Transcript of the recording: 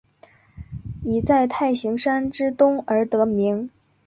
以在太行山之东而得名。